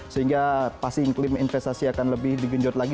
ya pasti klaim investasi akan lebih digunjot lagi